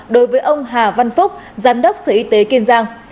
đối với ông hà văn phúc giám đốc sở y tế kiên giang